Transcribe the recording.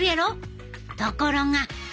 ところが！